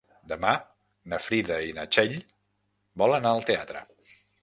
Demà na Frida i na Txell volen anar al teatre.